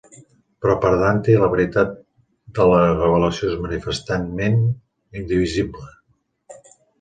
Però per Dante la veritat de la revelació és manifestament, indivisible.